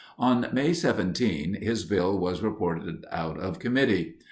On May 17, his bill was reported out of committee.